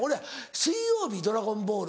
水曜日『ドラゴンボール』